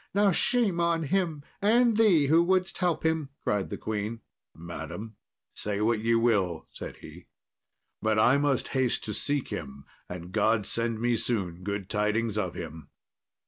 "Now shame on him, and thee who wouldest help him," cried the queen. "Madam, say what ye will," said he; "but I must haste to seek him, and God send me soon good tidings of him."